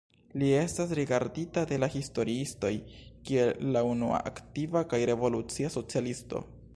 Li estas rigardita de la historiistoj kiel la unua aktiva kaj revolucia socialisto.